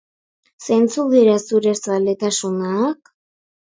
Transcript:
Zeintzuk dira zure zaletasunak?